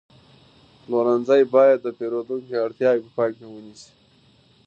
پلورنځی باید د پیرودونکو اړتیاوې په پام کې ونیسي.